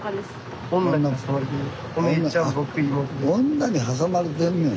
女にはさまれてんねん。